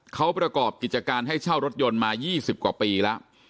เขาประกอบกิจการให้เช่ารถยนต์มา๒๐กว่าปีแล้ว